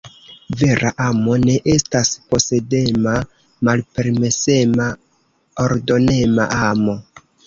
Vera amo ne estas posedema, malpermesema, ordonema amo.